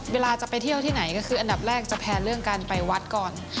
เวลาจะไปเที่ยวที่ไหนก็คืออันดับแรกจะแพลนเรื่องการไปวัดก่อน